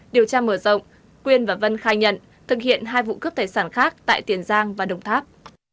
điều tra mở rộng quyên và vân khai nhận thực hiện hai vụ cướp tài sản khác tại tiền giang và đồng tháp